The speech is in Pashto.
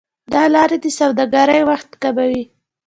دا لارې د سوداګرۍ وخت کموي.